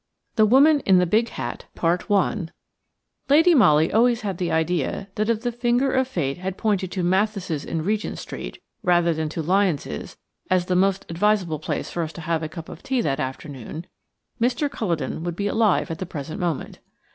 XTHE WOMAN IN THE BIG HAT LADY MOLLY always had the idea that if the finger of Fate had pointed to Mathis' in Regent Street, rather than to Lyons', as the most advisable place for us to have a cup of tea that afternoon, Mr. Culledon would be alive at the present moment.